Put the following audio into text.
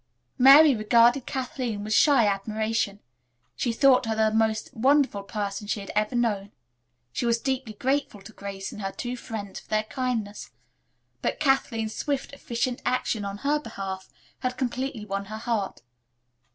Mary regarded Kathleen with shy admiration. She thought her the most wonderful person she had ever known. She was deeply grateful to Grace and her two friends for their kindness, but Kathleen's swift, efficient action on her behalf had completely won her heart.